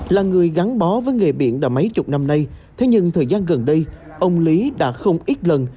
là người gắn bó với nghề biển đã mấy chục năm nay thế nhưng thời gian gần đây ông lý đã không ít lần